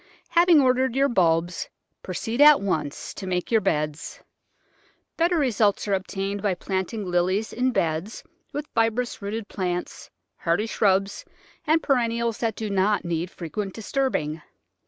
Having ordered your bulbs, proceed at once to make your beds. Better results are obtained by plant ing Lilies in beds with fibrous rooted plants, hardy shrubs, and perennials that do not need frequent dis turbing.